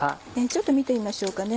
ちょっと見てみましょうかね。